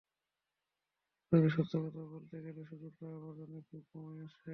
তবে সত্য কথা বলতে গেলে সুযোগটা আমার জন্য খুব কমই আসে।